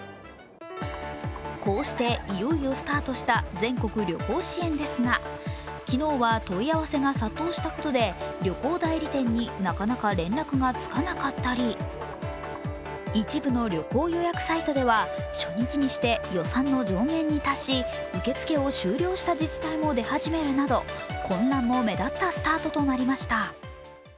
こうして、いよいよスタートした全国旅行支援ですが、昨日は問い合わせが殺到したことで旅行代理店になかなか連絡がつかなかったり、一部の旅行予約サイトでは初日にして予算の上限に達し、受け付けを終了した自治体も出始めるなど混乱も目立ったスタートとなりました。